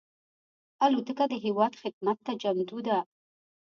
الوتکه د هېواد خدمت ته چمتو ده.